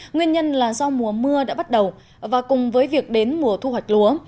nguyên nhân là do mùa mưa đã bắt đầu và cùng với việc đến mùa thu hoạch lúa